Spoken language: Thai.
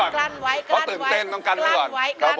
กลั้นไว้ก่อนเขาตื่นเต้นต้องกั้นไว้กลั้น